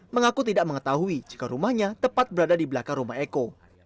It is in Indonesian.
mengaku tidak mengetahui jika rumahnya tepat berada di belakang rumah eko